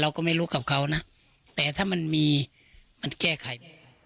เราก็ไม่รู้กับเขานะแต่ถ้ามันมีมันแก้ไข